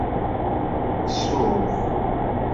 Tsuɣ.